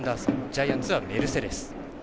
ジャイアンツはメルセデス。